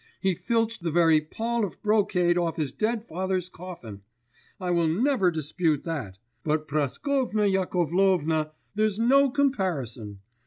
He filched the very pall of brocade off his dead father's coffin. I will never dispute that; but Praskovya Yakovlovna there's no comparison!